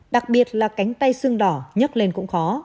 đặc biệt là cánh tay sương đỏ nhấc lên cũng khó